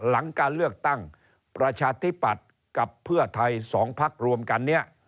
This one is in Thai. หลังการเลือกตั้งประชาธิปัตย์กับเพื่อไทย๒พักรวมกันเนี่ย